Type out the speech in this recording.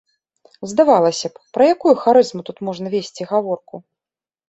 Здавалася б, пра якую харызму тут можна весці гаворку!